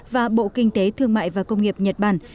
và bộ kinh tế thương mại và công nghiệp nhật bản